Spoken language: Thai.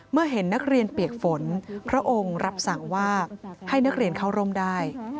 เมื่อเห็นนักเรียนเปียกฝนพระองค์รับสั่งว่าให้นักเรียนเข้าร่มได้